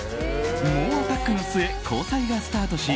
猛アタックの末交際がスタートし